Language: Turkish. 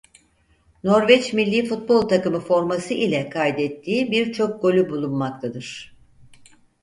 Norveç millî futbol takımı forması ile kaydettiği birçok golü bulunmaktadır.